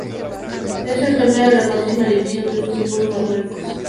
Es el torneo de la máxima división del Fútbol de Marruecos.